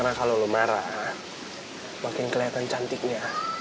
karena kalo lo marah makin keliatan cantiknya